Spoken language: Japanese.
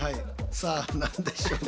さあ何でしょうか？